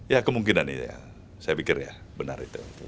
ya kemungkinan ya saya pikir ya benar itu